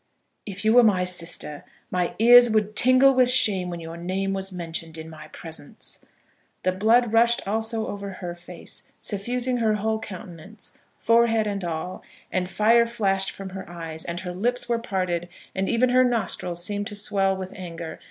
"If you were my sister, my ears would tingle with shame when your name was mentioned in my presence." The blood rushed also over her face, suffusing her whole countenance, forehead and all, and fire flashed from her eyes, and her lips were parted, and even her nostrils seemed to swell with anger.